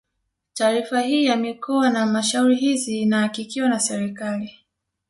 Taarifa hii ya mikoa na halmashauri hizi ilihakikiwa na serikali